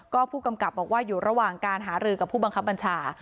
ก็ผู้กำกับบอกว่าอยู่ระหว่างการหารือกับผู้บังคับบัญชา